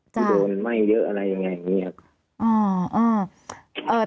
จะโดนไหม้เยอะอะไรอย่างนี้ครับ